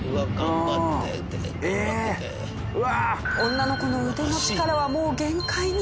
女の子の腕の力はもう限界に！